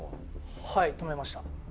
はい止めました。